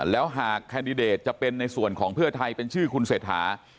แล้วหากแคนดิเดตจะเป็นในส่วนของเพื่อไทยเป็นชื่อคุณเศรษฐา